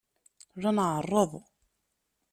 La nɛerreḍ.